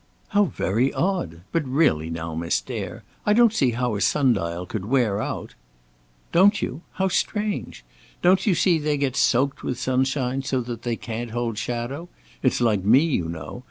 "How very odd! But really now, Miss Dare, I don't see how a sun dial could wear out." "Don't you? How strange! Don't you see, they get soaked with sunshine so that they can't hold shadow. It's like me, you know.